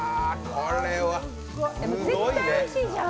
絶対おいしいじゃん。